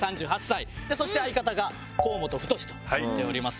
そして相方が河本太となっております。